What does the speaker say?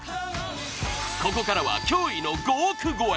ここからは驚異の５億超え！